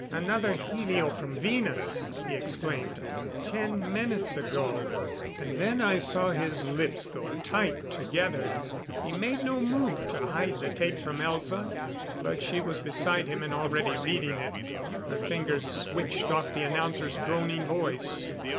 "Another helio from Venus!" he exclaimed. "Ten minutes ago." And then I saw his lips go tight together. He made no move to hide the tape from Elza, but she was beside him and already reading it. Her fingers switched off the announcer's droning voice.